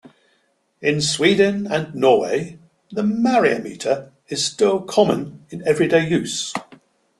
In Sweden and Norway, the "myriametre" is still common in everyday use.